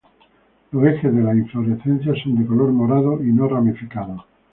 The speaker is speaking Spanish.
Los ejes de las inflorescencias son de color morado y no ramificados.